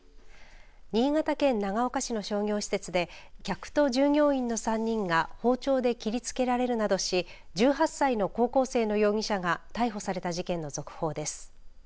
新潟県長岡市の商業施設で客と従業員の３人が包丁で切りつけられるなどし１８歳の高校生の容疑者が逮捕された事件の続報です。